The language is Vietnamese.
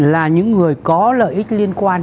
là những người có lợi ích liên quan